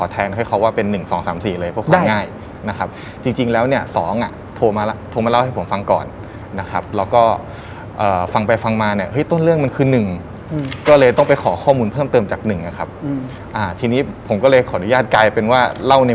ต้องอัญเชิญเขาขึ้นมา